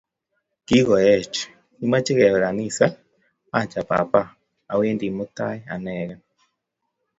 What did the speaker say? Kikoech, imoche kepe ganisa? Acha papa. Awendi mutai anekey.